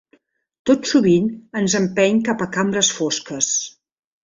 Tot sovint ens empeny cap a cambres fosques.